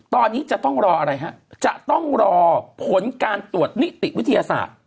ตอนนี้จะต้องรออะไรฮะจะต้องรอผลการตรวจนิติวิทยาศาสตร์